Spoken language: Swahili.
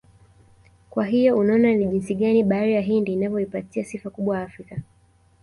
Kwa hiyo unaona ni jinsi gani bahari ya Hindi inavyoipatia sifa kubwa Afrika